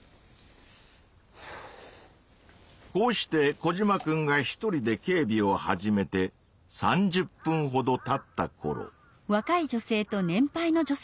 こうしてコジマくんがひとりで警備を始めて３０ぷんほどたったころ。